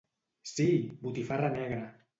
Sí! Botifarra negra.